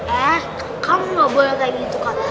eh kamu gak boleh kayak gitu kok